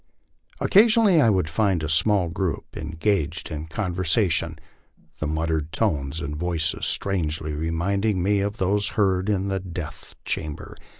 Occasion ally I would find a small group engaged in conversation, the muttered tones and voices strangety reminding me of those heard in the death chamber.